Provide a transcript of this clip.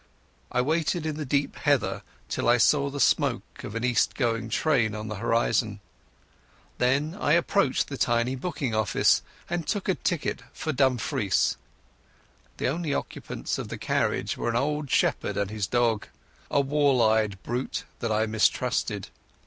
I waited in the deep heather till I saw the smoke of an east going train on the horizon. Then I approached the tiny booking office and took a ticket for Dumfries. The only occupants of the carriage were an old shepherd and his dog—a wall eyed brute that I mistrusted.